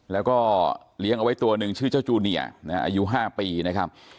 แล้วก็เลี้ยงเอาไว้ตัวหนึ่งชื่อเจ้าจูเนียอายุ๕ปีนะครับ